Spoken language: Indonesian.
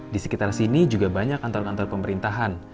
di sekitar sini juga banyak kantor kantor pemerintahan